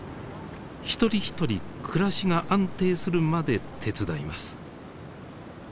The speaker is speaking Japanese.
一人一人暮らしが安定するまで手伝います。